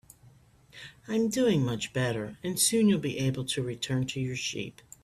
I'm doing much better, and soon you'll be able to return to your sheep.